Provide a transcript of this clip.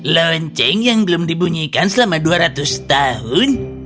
lonceng yang belum dibunyikan selama dua ratus tahun